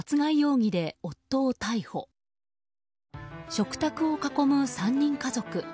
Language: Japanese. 食卓を囲む３人家族。